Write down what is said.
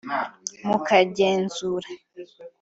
mukagenzura